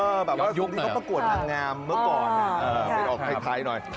เออแบบว่าอย่างยุ่งเขาประกวดอังงามเมื่อก่อนอ่าเออไม่รอให้ไทยหน่อย